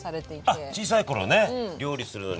あっ小さい頃ね料理するのに。